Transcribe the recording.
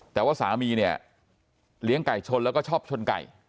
แต่ว่าสามีเนี่ยเลี้ยงไก่ชนแล้วก็ชอบชนไก่